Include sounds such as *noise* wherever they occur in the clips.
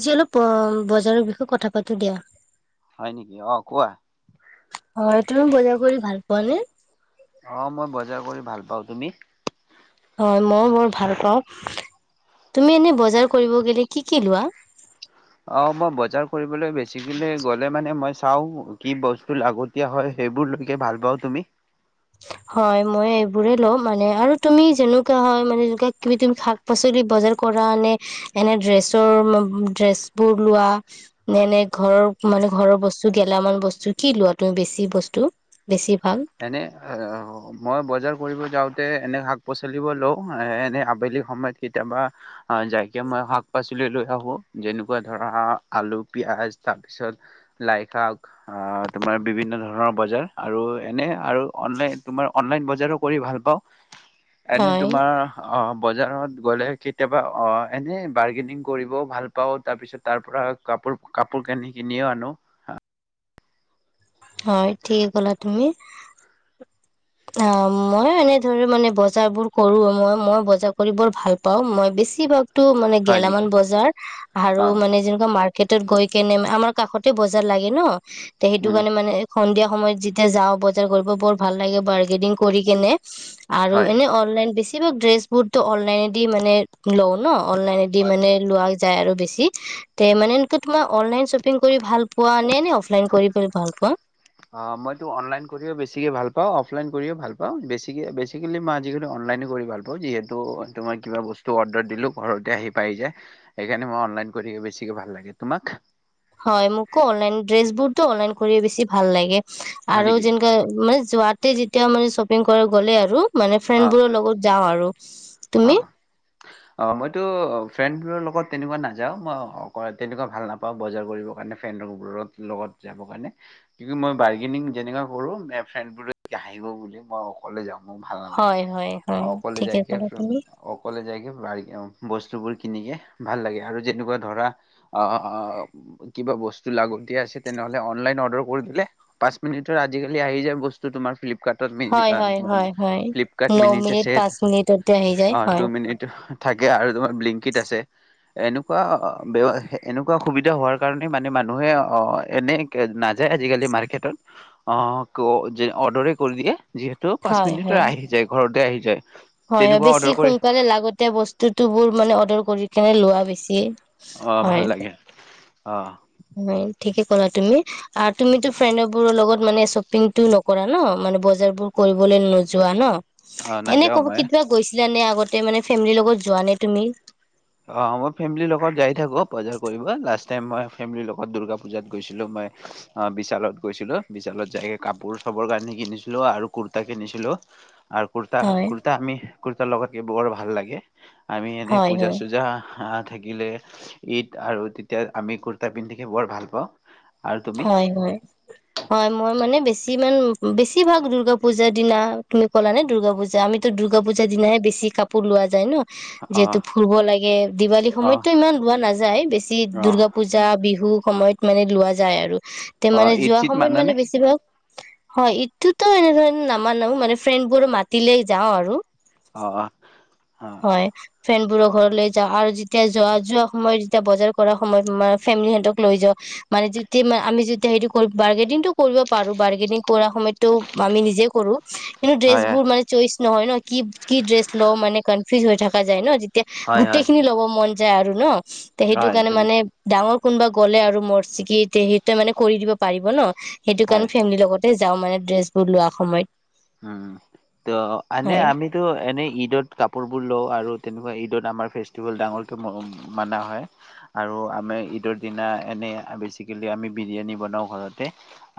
আজি অলপ, বজাৰৰ বিষয়ে কথা পাতো দিয়া। হয় নেকি, অ কোৱা। হয় তুমি বজাৰ *unintelligible* অ মই বজাৰ কৰি ভাল পাওঁ, তুমি? হয় মই বৰ ভাল পাওঁ। তুমি এনে বজাৰ কৰিব গ'লে কি কি লোৱা? অ মই বজাৰ কৰিবলৈ বেছিকে গ'লে মানে মই চাওঁ কি বস্তু লাগতীয়া হয় সেইবোৰলৈকে ভাল পাওঁ তুমি? হয় মই এইবোৰে লম মানে আৰু তুমি যেনেকুৱা হয় মানে, কিবি তুমি শাক পাচলি বজাৰ কৰা নে এনে ড্ৰেছৰ, ড্ৰেছ বোৰ লোৱা, এনে ঘৰৰ মানে ঘৰৰ বস্তু, গেলামান বস্তু কি লোৱা তুমি, বেছি বস্তু বেছি‌ মানে? এনে অ' মই বজাৰ কৰিব যাওঁতে এনে শাক পাচলিবোৰ লওঁ, এনে আবেলি সময়ত কেতিয়াবা যাই কিবা মই শাক পাচলি লৈ আহোঁ যেনেকুৱা ধৰা আলু পিঁয়াজ তাৰপিছত লাইশাক তাৰমান বিভিন্ন ধৰণৰ বজাৰ আৰু এনে আৰু অনলাইন, তোমাৰ অনলাইন বজাৰো কৰি ভাল পাওঁ। এনেই হয় তোমাৰ অ বজাৰত গ'লে কেতিয়াবা অ এনেই বাৰ্গেনিং কৰিবও ভাল পাওঁ তাৰ পিছত তাৰ পৰা কাপোৰ, কাপোৰ কানি কিনিও আনোঁ। হয় ঠিকে ক'লা তুমি। অ মই এনে ধৰে মানে বজাৰ বোৰ কৰো মই মই বজাৰ কৰি বৰ ভাল পাওঁ, মই বেছিভাগ টো মানে হয় নেকি গেলামান বজাৰ অ আৰু মানে যেনেকোৱা মা গৈ কিনে আমাৰ কাষত তোই বজাৰ লাগে ন? তে সেইটো উম কাৰণে মানে সন্ধিয়া সময়ত যেতিয়া যাওঁ, বজাৰ কৰিব বৰ ভাল লাগে। বাৰ্গেনিং কৰি কেনে। আৰু হয় এনে অনলাইন বেছি সব ড্ৰেছ বুৰতো অনলাইনেদি মানে লওঁ ন। অনলাইনদি মানে লোৱা যায় আৰু বেছি। তে মানে এনেকে অনলাইন শ্বপিং কৰি ভাল পোৱা নে অফলাইন কৰি‌ তুমি ভাল পোৱা। ‌ অ' মই তো অনলাইন কৰি বেছিকৈ ভাল পাওঁ। অফলাইন কৰিওঁ ভাল পাওঁ, বেছিকে, বেছিকেলি মই আজিকালি অনলাইনে কৰি ভাল পাওঁ, তুমাৰ কিবা বস্তু অৰ্ডাৰ দিলেওঁ ঘৰতে আহি পাই যায়। সেইকাৰণে মই অনলাইন কৰিহে বেছিকৈ ভাল লাগে। তুমাক? হয় মোকো অনলাইন, ড্ৰেছ বোৰতো অনলাইন কৰিয়ে বেছি ভাল লাগে। হয় আৰু নেকি যেনেকে মানে যোৱাতে যেতিয়া মানে শ্বপিং কৰে গ'লে আৰু মানে অ ফ্ৰেণ্ডবোৰৰ লগত যাওঁ আৰু। তুমি অ' অ! মইতো ফ্ৰেণ্ডবোৰৰ লগত তেনেকুৱা নাযাওঁ। মই তেনেকুৱা ভাল নাপাওঁ বজাৰ কৰিবৰ কাৰণে ফ্ৰেণ্ডবোৰৰ লগত, যাবৰ কাৰণে, কিন্তু মই বাৰ্গেনিং যেনেকুৱা কৰোঁ, ফ্ৰেণ্ডবোৰে হাঁহিব বুলি মই অকলে যাওঁ। মোৰ ভাল নালাগে হয় হয় হয়, অকলে ঠিকে যাইকে আছে। অকলে যায়গে *unintelligible* বস্তুবোৰ কিনিকে ভাল‌ লাগে, আৰু যেনেকোৱা ধৰা, কিবা বস্তু লাগতিয়াল আছিল তেনেহলে অনলাইন অৰ্ডাৰ কৰি দিলে পাঁচ মিনিটত আজিকালি আহি যায় তোমাৰ ফ্লিপকাৰ্টত। হয় হয় হয় হয় ফ্লিপকাৰ্ট ন মিনিট আছে পাঁচ মিনিটত অ টু মিনিট থাকে আৰু তোমাৰ বিলিংকিত আছে এনেকুৱা এনেকুৱা সুবিধা হোৱাৰ কাৰণে মানে মানুহে এনে নাযায় আজিকালি মাৰ্কেটত অ অৰ্ডৰে কৰি দিয়ে যিহেতু পাঁচ হয় মিনিটত হয় আহি যায় ঘৰতে আহি যে হয় হয় বেছি সোনকালে লাগতে বস্তুতো বোৰ মানে অৰ্ডাৰ কৰি সেইকাৰণনে লোৱা বেছি আহ হয় ভাল লাগে অ হয় ঠিকে ক'লা তুমি তুমিো ফ্ৰেণ্ড বোৰৰ লগত মানে শ্বপিংটো নকৰা ন মানে বজাৰ বোৰ কৰিবলে নোযোৱা ন অ এনে নাযাও কব মই কেতিয়াবা গৈছিল ানে আগতে মানে ফেমিলিৰ লগত যোৱা নে তুমি অ মই ফেমিলিৰ লগত যাই থাকো বজাৰ কৰিব লাষ্ট টাইম মই ফেমিৰ লগত দুূৰ্গা পূজাত গৈছিলো মই বিশালত গৈছিলো বিশালত যাই কাপোৰ চবৰ কানি কিনিছিলো আৰু কুৰা কিনিছিলো আৰু কুৰ্তা হয়। কুৰ্তা আমি কুৰ্তা লগাক বৰ ভাল লাগে আমি এনে হয় পূজা হয় আহ থাকিলে ঈদ আৰু তেতিয়া আমি কুুৰ্তা পিন্ধি থাকি বৰ ভাল পাওঁ আৰু তুমি হয় হয় হয় মই মানে বেছি যিমান বেছিভাগ দুূৰ্গা পূজাৰ দিনা তুমি ক'লা নে দুৰ্গা পূজা আমিতো দুৰ্গা পূজাৰ দিনাহে বেছি কাপোৰ লোৱা যায় ন অ যিহেতু ফুৰিব লাগে দিৱালী অ সময়ততো ইমান লোৱা নাযায় বেছি অ দূৰ্গা পূজা বিহু সময়ত মানে লোৱা যায় আৰু তে অ মানে ঈদ যোৱা চিত সময়ত মানে মানানে বেছিভাগ হয় ইটোতো এনেধৰণ নামানো মানে ফ্ৰেণ্ড বোৰো মাতিলে যাওঁ আৰু অ অ হয় ফেনবোৰক ঘৰলৈ যাওঁ আৰু যেতিয়া যোৱা যোৱা সময়ত যেতিয়া বজাৰ কৰা সময়ত ম ফেমিলি সহঁতক লৈ যাওঁ মানে তে আমি যেতি হেৰিটো কৰো বাৰ্গেনিংটো কৰিব পাৰো বাৰ্গেনিং কৰাৰ সময়ত তটো আমি নিজে কৰো কিন্তু হয় ড্ৰেছ বোৰ মানে চইচ নহয় ন কি কি ড্ৰেছ লওঁ মানে ফি হৈ থাককা যায় ন এতিয়া হয় গোটেই হয় খিনি ল'ব মন যায় আৰু ন তে সেইটো হয় কাৰণে তুমি মানে ডাঙৰ কোনোবা গ'লে আৰু মৰ্চিকিত তে সেইটোৱে মানে কৰি দিব পাৰিব ন। সেইটো হয় কাৰণে ফেমলিৰ লগত। তে যাওঁ মানে ড্ৰেচ বোৰ লোৱা সময়ত। উম ত এনে হয় আমিতো এনেই ঈদত কাপোৰ বোৰ লও আৰু তেনেকুৱা ঈদ। ঈদত আমাৰ ফেষ্টিভেল ডাঙৰকৈ ম মানা হয়। আৰু আমাৰ ঈদৰ দিনা এনেই বেচিকেলি, আমি বিৰিয়ানী বনাওঁ ঘৰতে,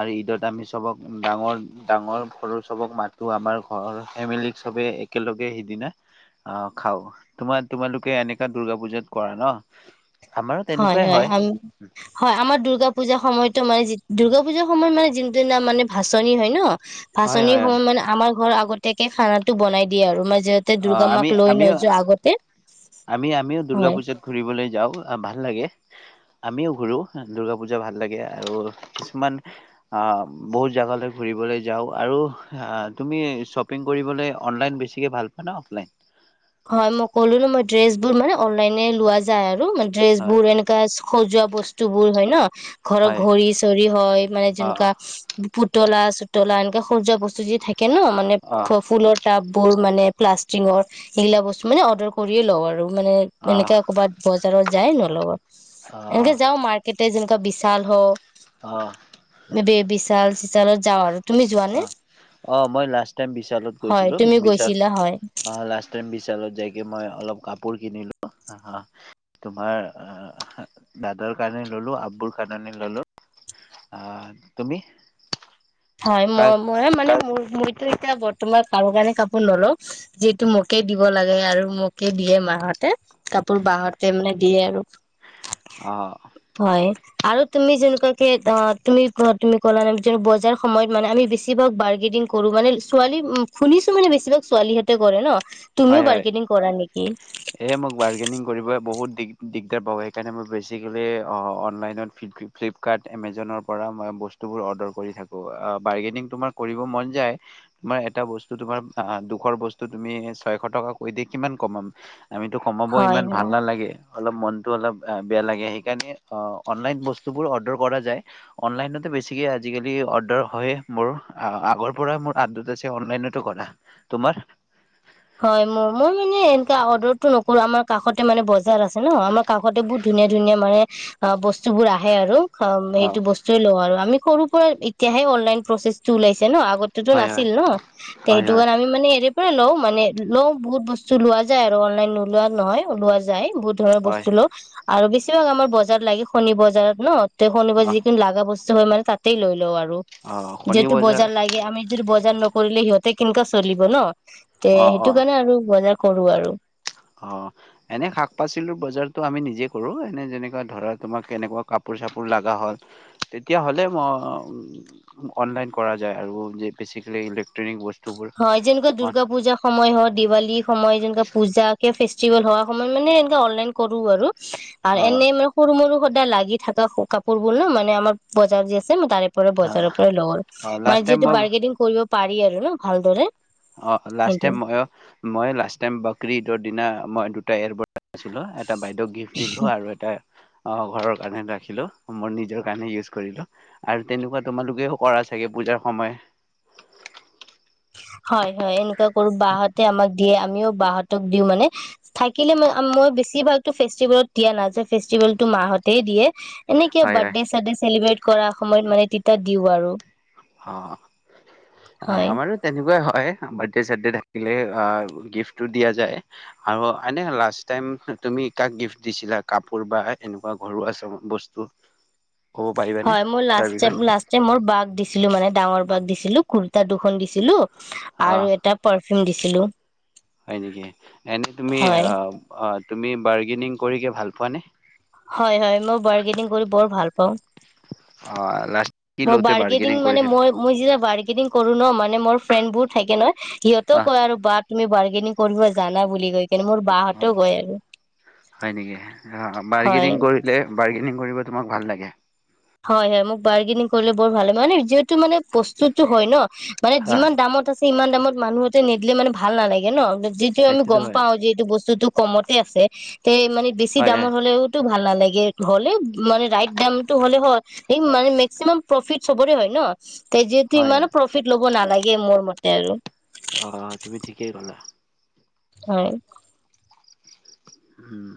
আৰু ঈদত আমি চবক ডাঙৰ ডাঙৰ সৰু। চবক মাতো আমাৰ ঘৰৰ ফেমিলিক চবে একেলগে সিদিনা আহ খাওঁ। তোমাক তোমালোকে এনেকা দূৰ্গা পুজাত কৰা ন? আমাৰো হয় তেনেকুৱাই হয় আম হয় আমাৰ দুূৰ্গা পূজা সময়ত। মানে দুৰ্গা পুজাৰ সময়ত মানে যোন দিনা মানে ভাচনি হয় ন। হয় ভাচানি হয় সম হয় মানে আমাৰ ঘৰ আগ। গতেকে খানাটো বনাই দিয়ে আৰু ম। অ আমি আমিও আমি আমিও দুূৰ্গা হয় পুজাত ঘুৰিবলৈ যাওঁ। ভাল লাগে, আমিও ঘুৰো দুৰ্গা পূজা ভাল লাগে। আৰু কিছুমান বহুত জেগালৈ ঘূৰিবলৈ যাওঁ, আৰু তুমি শ্বপিং কৰিবলৈ অনলাইন বেছিকৈ ভাল। ম অফলাইন। হয় মই ক'লো ন মই ড্ৰেছ বোৰ মানে অনলাইনে লোৱা যায় আৰু মানে। ড্ৰেছ হয় বোৰ এনেকা, সজোৱা বস্তু বোৰ হয় ন ঘৰৰ হয় ঘড়ী চৰি হয় মানে অ যেনেকুৱা প। পুতলা চুতলা এনেকে সজোৱা বস্তু যে থাক। কে ন মানে অ ফু ফুলৰটাপ। বোৰ মানে প্লাষ্টিঙৰ। সেইগিলা বস্তু মানে অৰ্ডাৰ কৰিয়ে লওঁ আৰু। মানে অ এনেকে ক'বাত বজাৰত। যায় নলওঁ। অ এনেকে যাও মাৰ্কেট। ত যেনেকুৱা বিশাল হক। অ ম বি বিছ। বিশাল চিচালত যাওঁ আৰু। তুমি যোৱা নে? অ', অ', মই লাষ্ট তাইম বিশালত হয় গৈছিলো। তুমি বিশাল গৈছিলা হয় অ, লাছ তাইম। বিশালত যাইকে মই অলপ কাপোৰ কিনিলো অঁ তোমাৰ দাদাৰ কাৰণে ললো আববুৰ কাৰনে ললো। আহ তুমি? হয়, কাৰ মই মই মানে মোৰ মোৰ। এতিয়া বৰ্তমান কাৰো কাৰণে কাপোৰ নলওঁ। যিহেটো মোকে দিব লাগে আৰু, মোকে দিয়ে মাহতে কাপোৰ বাহতে মানে দিয়ে আৰু। অ, হয় আৰু তুমি যেনেকুৱাকে অ তুমি তুমি ক'লা ন বজাৰ। সময়ত মানে আমি বেছিভাগ বাৰ্গেনিং কৰো মানে ছোৱালী শুনিছো মানে বেছিভাগ ছোৱালীহতে কৰে ন। তুমিও হয়, হয় বাৰ্গেনিং কৰা নেকি এ মই বাৰ্গেনীং কৰিবই বহুত। দিগ দিগদাৰ পাও সেইকাৰণে মই বেছিকেলি অনলাইনত ফ্লিপকাৰ্ট এমজনৰ পৰা মই বস্তুবোৰ অৰ্ডাৰ কৰি থাকোঁ, বাৰ্গেনিং তোমাৰ কৰিব মন যায় তোমাৰ এটা বস্তু তোমাৰ দুখৰ বস্তু তুমি এ। ছয়শ টকা কৈ দি কিমান কমাম। আমিতো কমাব হয় ইমান হয় ভাল নালাগে। অলপ মনতটো অলপ বেয়া লাগে সেইকাৰণে অনলাইন বস্তুবোৰ অৰ্ডাৰ কৰা যায় অনলাইন বেছিকে আজিকালি অৰ্ডাৰ হয় মোৰ আগৰ পৰা মোৰ আদত আছে অনলাইনতো কৰা তোমাৰ। হয় ম মই মানে এনেুৱা অৰ্ডাৰটো নকৰো আমাৰ কাষতে মানে বজাৰ আছে ন আমাৰ কাষতে বহুত ধুনীয়া ধুনীয়া মানে অ বস্তুবোৰ আহে আৰু। অ সেইটো বস্তুৱে লওঁ আৰু আমি। সৰুৰ পৰা এতিয়াহে অনলাইন প্ৰচেছ ওলাইছে। ন আগতেতো হয় হয় নাছিল ন তে হয় সেইটো হয় কাৰণ আমি মানে *inaudible* মানে লওঁ বহুত বস্তু লোৱা যায় আৰু অনলাইন নোলোৱা নহয় ওলোৱা যায়। বহুত ধৰ হয় বস্তু লওঁ। আৰু বেছিভাগ আমাৰ বজাৰত লাগে শণী বজাৰত ন তে অ শনিবাৰে যি কিন লাগা বস্তু হয় মানে তাতেই লৈ লওঁ আৰু অ', শনি যিহেতু বজাৰ লাগে আমি যদি বজ নকৰিলে সিহঁতে কেনো চলিব ন তে অ', অ', সেইটো কাৰণে আৰু বজাৰ কৰো আৰু অ এনে শাক পাচলিৰ বজাৰতটো আমি নিজে কৰো এনে যেনেকুৱ ধৰা তোমাক কেনেকুৱা কাপোৰ চাপোৰ লগা হ'ল তেতিয়া হ'লে অনলাইন কৰা যায় আৰু বেচিকেলি ইলেক্ট্ৰনিক বস্তু হয় যেনেকুৱা দুৰ্গা পূজাৰ সময় হয় দিৱালী সময় যেনেকুৱা পূজা কে ফেচটিৱেল হোৱা সময়ত মানে এনেককাে অনলাইন কৰো আৰু আৰু অ', এনেই মানে সৰু মৰু সদায় লাগি থাকা কাপোৰ বোৰ ন মানে আমাৰ বজাৰ যে তাৰে পৰা অ', বজাৰৰ পৰাল মানে লাষ্ট টাইম যিহেতু মই বাৰ্গেনিং কৰিব পাৰি আৰু ন ভালদৰে অ লাষ্ট সেইটো টাইম মই মই লাষ্ট টাইম বাকৰী ঈদৰ দিনা মই দুটা এৰ আছিলো এটা বাইদেউক গিফ্ট দিলো আৰু এটা অ ঘৰৰ কাৰণে ৰাখিলো মোৰ নিজৰ কাৰণে ইউজ কৰিলো আৰু তেনেকুৱা তোমালোকেও কৰা চাগে পূজাৰ সময় হয় হয় এনেকুৱা কৰো বাহতে আমাক দিয়ে আমিও বাহতেক দিওঁ মানে থাকিলে ম মই বেছিভাগতো ফেষ্টিভেলত দিয়া নাযায় ফেষ্টিভেলো মাহঁতেই দিয়ে এনেক কি হয়, হয়, বাৰ্থডে চাৰডে চেলিব্ৰেট কৰা সময়ত মানে তিতা দিও আৰু অ অ হয় আমাৰো তেনেকুৱাই হয় হয় বাৰ্থডে চাৰ্থডে থাকিলে গিফ্টটো দিয়া যায় আৰু এনে লাষ্ট টাইম তুমি কাক গিফট দিছিলা কাপোৰ বা এনেকুৱা ঘৰুৱা চ বস্তু ক'ব পাৰিবানে হয় মোৰ তাৰ লাষ্ট বিষয়ে লাষ্টাইম মোৰ বাক দিছে দিছিলো মানে ডাঙৰ বাক দিছিলো কুুৰ্তা দুখন দিছিলো অ' আৰু এটা পাৰ চিন দিছিলো হয় নেকি এনে তুমি হয় অ অ তুমি বাৰ্গেনিং কৰি কি ভাল পোৱাানে হয় হয় মই বাৰ্গেনিং কৰি বৰ ভাল পাওঁ অ লাষ্ট কি মই লওঁতে বাৰ্গেনিং মানে কৰিছিলা? মই মই যেতিয়া বাৰ্গেনিং কৰোণা মান মানে মোৰ ফ্ৰেণ্ড বোৰ থাকে নহ সিহতেও আহ কয় আৰু বাট তুমি বাৰ্গেনিং কৰিব জানা বুলি কৈ কেনে মোৰ অ বাহঁতেও কয় আৰু হয় নেকি হয় বাৰগেনিং কৰিলে বাৰ্গেনিং কৰিব তোমাক ভাল লাগে হয় হয় মোক বাৰ্গেনিং কৰিলে বৰ ভাল লাগে মানে যিহেতু মানে প্ৰস্তুতো হয় ন মানে আহ যিমান দামত আছে ইমান দামত মানুহ এটাই নিদিলে মানে ভাল নালাগে ন যিটো আমি সেইটোতো গম হয়, পাও যে এইটো বস্তু বস্তুটো কমতে আছে তে মানে বেছি হয় দামৰ হয় হ'লেওতো ভাল নালাগে হ'লে মানে ৰাইট ডামটো হলে হয় মানে মেক্সিমাম প্ৰফিট চবৰে হয় ন তেজেতো হয় হয় ইমানো প্ৰফিট ল'ব নালাগে গে মোৰ মতে আৰু অ তুমি ঠিকেই ক'লা হয় উম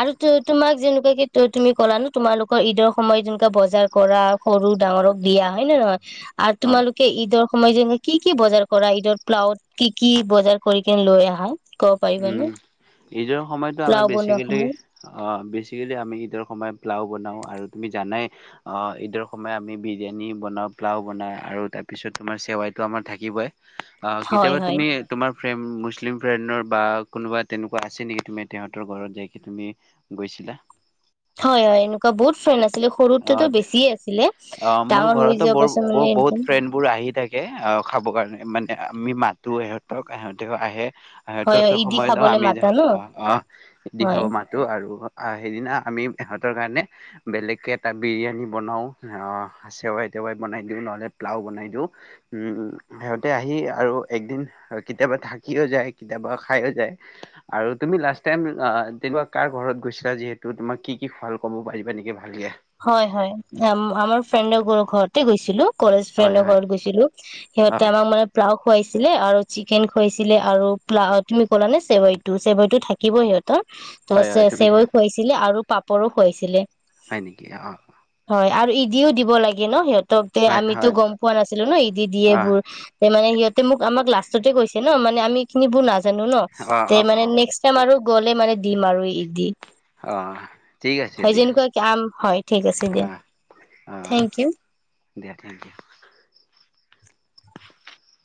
আৰু তো তোমাক যেনেকুৱাকে কি তুমি ক'লা ন তোমালোকৰ ঈদৰ সময়ত যেনেকোৱা বজাৰ কৰা সৰু ডাঙৰক দিয়া হয় নে নহয় আৰু হয় তোমালোকে ঈদৰ সময়ত যে কি কি বজাৰ কৰা ঈদৰ প্লাউত কি কি বজাৰ কৰি কিনে লৈ আহা ক'ব উম পাৰিবানে ঈদৰ সময়তো আমি প্লাও বনোৱা বেছিকে অ বিছ সময়ত বেছিকেলি আমি ঈদৰ সময়ত প্লাও বনাওঁ আৰু তুমি জানাই ঈদৰ সময়ত আমি বিৰিয়ানী বনাওঁ প্লাও বনাওঁ আৰু তাৰপিছত তোমাৰ চেৱাইটো আমাৰ থাকিবই অ হয় কেতিয়াবা হয় তুমি তোমাৰ ফ্ৰেম মুছলিম ফ্ৰেণ্ডৰ বা কোনোবা তেনেকোৱা আছে নেকি তুমি তেহঁতৰ ঘৰত যাই কিনি গৈছিলা হয় হয় এনেকোৱা বহুত ফ্ৰেণ্ড আছে অ অ মোৰ ডাঙৰ হৈ ঘৰতো যোৱাৰ বৰ পাছত ব মানে বহুত ফ্ৰেণ্ড বোৰ আহি থাকে অ খাব কাৰণে মানে আমি মাতো ইহঁতক এহঁতেও আহে হয় হয় সেততো ইদি সময় ন খাবলে আমি মাতা ন অ অ দি হয় খাব মাতো আৰু সেইদিনা আমি ইহঁতৰ কাৰণে বেলেগকে তাত বিৰিয়ানী বনাওঁ চেৱাই তেৱাই বনাই দিওঁ, নহ'লে প্লাও বনাই দিওঁ, উমম সিহঁতে আহি আৰু একদিন কেতিয়াবা থাকিও যায়, কেতিয়াবা খাইয়ো যায়, আৰু তুমি লাষ্ট টাইম তেনেকুৱা কাৰ ঘৰত গৈছিলা যিহেতু তোমাক কি কি খোৱাল ক'ব পাৰিবা নেকি ভালকৈ? হয় হয় আমাৰ ফ্ৰেণ্ড বোৰৰ ঘৰতে গৈছিলো। কলেজ হয় ফ্ৰেণ্ডৰ হয় ঘৰত গৈছিলো। অ সিহঁতে আমাৰ মানে ফ্লা লাও খুৱাইছিলে আৰু চিকেন খুৱাইছিলে আৰু প্লাও তুমি ক'লা নে চেৱাইটো চেৱাইটো থাকিবই সিহঁত তৰ হয় হয় চে তুমি ঠিক চেৱৈ খুৱাইছিলে আৰু পাপৰো খুৱাইছিলে হয় নেকি অ হয় আৰু ই দিও দিব লাগে ন সিহঁত- হয় আমিতো হয় গম পোৱা নাছিলো ন ইদি দিয়ে অ বোৰ এই বোৰ মানে সিহঁতে মোক আমাক লাচ তুমি কৈছে ন মানে আমি এইখিনি বু নাজ জানো ন অ টে অ অ মানে নেক্স টাইম আৰু গ'লে মানে দিম আৰু ইদি অ ঠিক আছে হয় দিয়া যেনেকুৱা আম হয় ঠিক আছে দিয়া অ অ থেংক ইউ। দিয়া থেংকইউ।